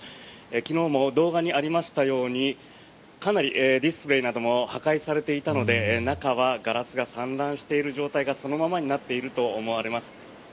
昨日も動画にありましたようにかなりディスプレーなども破壊されていたので中はガラスが散乱している状態がそのままになっていると思われます。